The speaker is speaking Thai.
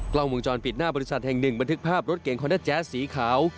กล้องวงจรปิดหน้าบริษัทแห่งหนึ่งบันทึกภาพรถเก่งคอนด้าแจ๊สสีขาว